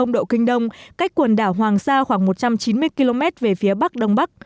một trăm một mươi ba độ kinh đông cách quần đảo hoàng sa khoảng một trăm chín mươi km về phía bắc đông bắc